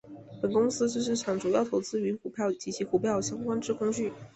本公司之资产主要投资于股票及与股票相关之工具。